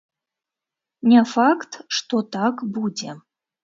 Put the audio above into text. Не факт, што так будзе.